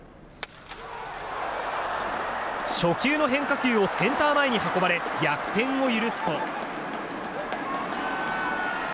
初球の変化球をセンター前に運ばれ、逆転を許すと。